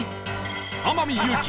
天海祐希